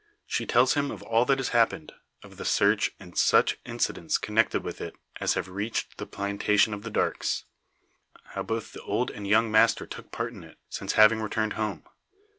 She tells him of all that has happened of the search, and such incidents connected with it as have reached the plantation of the Darkes; how both the old and young master took part in it, since having returned home.